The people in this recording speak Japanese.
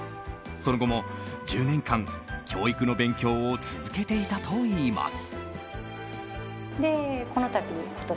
その後も１０年間、教育の勉強を続けていたといいます。